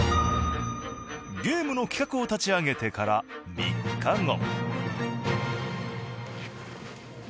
ゲームの企画を立ち上げてから３日後。